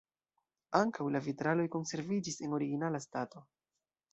Ankaŭ la vitraloj konserviĝis en originala stato.